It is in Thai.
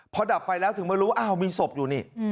พอดับไฟแล้วถึงมารู้ว่าอ้าวมีศพอยู่นี่